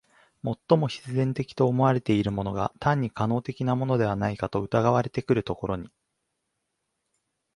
最も必然的と思われているものが単に可能的なものではないかと疑われてくるところに、